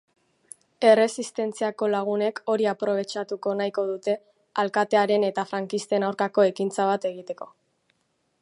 Erresistentziako lagunek hori aprobetxatu nahiko dute alkatearen eta frankisten aurkako ekintza bat egiteko.